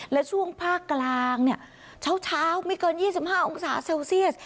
และช่วงภาคกลางเช้าไม่เกิน๒๕องศาเซลเซียส